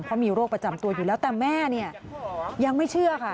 เพราะมีโรคประจำตัวอยู่แล้วแต่แม่เนี่ยยังไม่เชื่อค่ะ